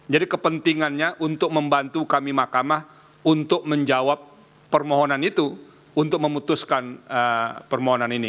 jadi kepentingannya untuk membantu kami makamah untuk menjawab permohonan itu untuk memutuskan permohonan ini